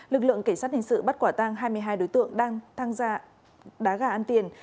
lực lượng cảnh sát hình sự bắt quả tang hai mươi hai đối tượng đang tham gia đá gà ăn tiền